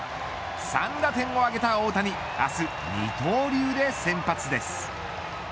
３打点を挙げた大谷明日、二刀流で先発です。